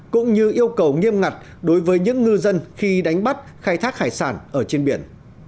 cũng như yêu cầu nghiêm ngặt đối với những ngư dân khi đánh bắt khai thác hải sản ở trên biển